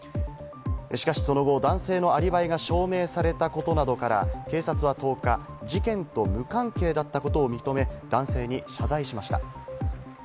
しかし、その後、男性のアリバイが証明されたことなどから警察は１０日、事件と無関係だったことを認め男性に謝罪しました。